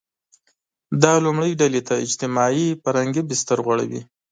دا لومړۍ ډلې ته اجتماعي – فرهنګي بستر غوړوي.